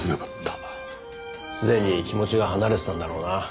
すでに気持ちが離れてたんだろうな。